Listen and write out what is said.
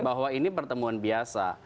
bahwa ini pertemuan biasa